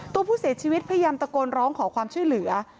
ตัวผู้เสียชีวิตพยายามตะโกนร้องขอความช่วยเหลือ